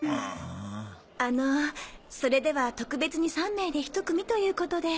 あのそれでは特別に３名で１組ということで。